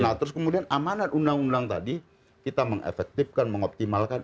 nah terus kemudian amanat undang undang tadi kita mengefektifkan mengoptimalkan